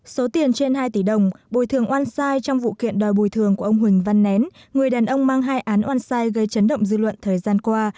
số tiền trên hai tỷ đồng bồi thường oan sai trong vụ kiện đòi bồi thường của ông huỳnh văn nén người đàn ông mang hai án oan sai gây chấn động dư luận thời gian qua